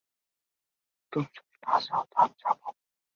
তুমি যদি না যাও তো আমি যাব।